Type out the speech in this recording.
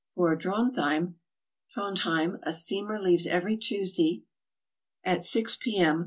For Drontheim (Trondhjem) a steamer leaves every Tuesday at 6 p. m.